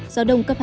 gió đông cấp hai ba